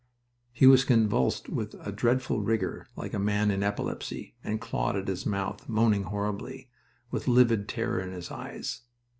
He was convulsed with a dreadful rigor like a man in epilepsy, and clawed at his mouth, moaning horribly, with livid terror in his eyes.